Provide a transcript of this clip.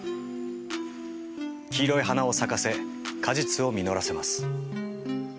黄色い花を咲かせ果実を実らせます。